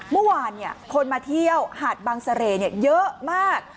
เมื่อวานเนี้ยคนมาเที่ยวหาดบังเสรต์เนี้ยเยอะมาก